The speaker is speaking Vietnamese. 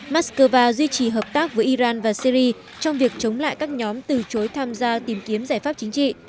moscow duy trì hợp tác với iran và syri trong việc chống lại các nhóm từ chối tham gia tìm kiếm giải pháp chính trị